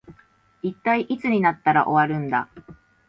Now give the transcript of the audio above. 一体いつになったら終わるんだ